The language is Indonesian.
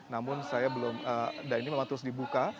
namun saya belum dan ini memang terus dibuka